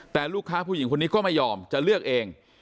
แต่ลูกค้าผู้หญิงคนนี้ก็ไม่ยอมจะเลือกเอง